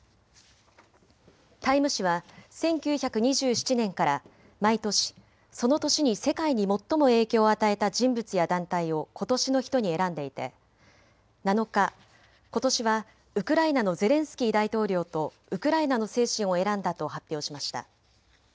タイム誌は１９２７年から毎年、その年に世界に最も影響を与えた人物や団体をことしの人に選んでいて７日、ことしはウクライナのゼレンスキー大統領とウクライナの精神を選んだと発表しました。